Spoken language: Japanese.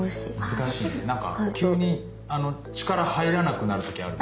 なんか急に力入らなくなる時あるの。